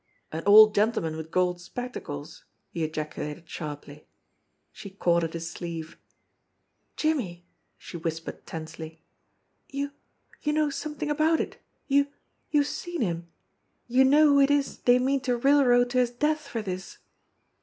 "An old gentleman with gold spectacles!" he ejaculated sharply. She caught at his sleeve. "Jimmie !" she whispered tensely. "You you know some thing about it ! You you've seen him ! You know who it is they mean to railroad to his death for this?"